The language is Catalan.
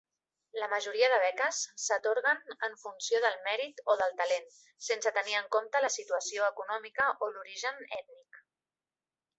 La majoria de beques s'atorguen en funció del mèrit o del talent, sense tenir en compte la situació econòmica o l'origen ètnic.